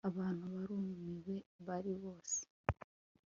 abantu barumiwe bari hose